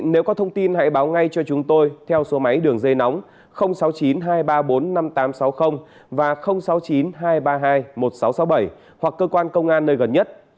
nếu có thông tin hãy báo ngay cho chúng tôi theo số máy đường dây nóng sáu mươi chín hai trăm ba mươi bốn năm nghìn tám trăm sáu mươi và sáu mươi chín hai trăm ba mươi hai một nghìn sáu trăm sáu mươi bảy hoặc cơ quan công an nơi gần nhất